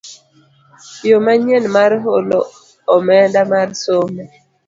Yo manyien mar holo omenda mar somo